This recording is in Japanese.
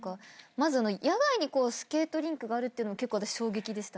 まず野外にスケートリンクがあるっていうのが結構私衝撃でした。